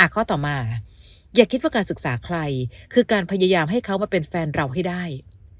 ข้อต่อมาอย่าคิดว่าการศึกษาใครคือการพยายามให้เขามาเป็นแฟนเราให้ได้